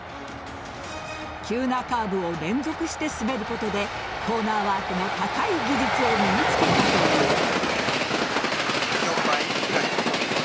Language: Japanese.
急なカーブを連続して滑ることでコーナーワークの高い技術を身に付けたという。